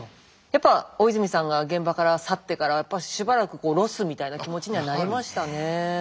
やっぱ大泉さんが現場から去ってからやっぱしばらくロスみたいな気持ちにはなりましたね。